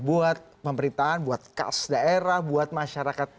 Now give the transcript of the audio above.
buat pemerintahan buat kas daerah buat masyarakat